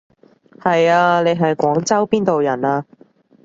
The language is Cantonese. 係啊，你係廣州邊度人啊？